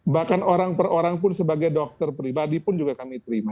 bahkan orang per orang pun sebagai dokter pribadi pun juga kami terima